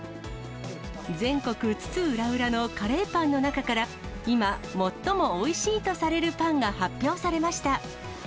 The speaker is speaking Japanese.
全国津々浦々のカレーパンの中から、今、最もおいしいとされるパンが発表されました。